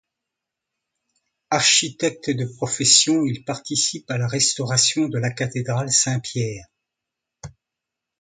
Architecte de profession, il participe à la restauration de la cathédrale Saint-Pierre.